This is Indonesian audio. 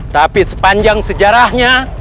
tapi sepanjang sejarahnya